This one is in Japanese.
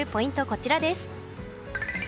こちらです。